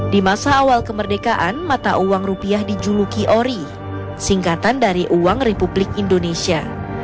di masa awal kemerdekaan mata uang rupiah dijuluki ori singkatan dari uang republik indonesia